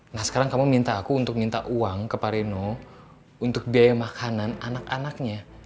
nah sekarang kamu minta aku untuk minta uang ke pareno untuk biaya makanan anak anaknya